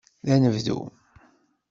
D anebdu.